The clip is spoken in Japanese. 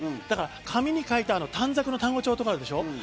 紙に書いた短冊の単語帳とかあるでしょ？